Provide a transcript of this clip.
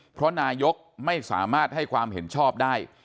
เพราะนายกไม่สามารถให้ความเห็นชอบได้